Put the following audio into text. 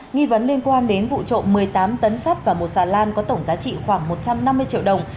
nghi vấn liên quan đến vụ trộm một mươi tám tấn sắt và một xà lan có tổng giá trị khoảng một trăm năm mươi triệu đồng